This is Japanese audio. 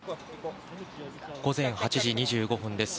午前８時２５分です。